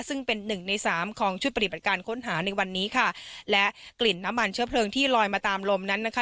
ซึ่งเป็นหนึ่งในสามของชุดปฏิบัติการค้นหาในวันนี้ค่ะและกลิ่นน้ำมันเชื้อเพลิงที่ลอยมาตามลมนั้นนะคะ